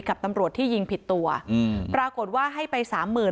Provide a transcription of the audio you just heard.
กับตำรวจที่ยิงผิดตัวอืมปรากฏว่าให้ไปสามหมื่น